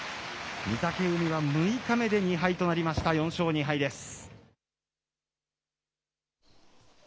御嶽海は６日目で２敗となりました、４勝２敗です。